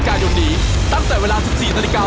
กายนนี้ตั้งแต่เวลา๑๔นาฬิกา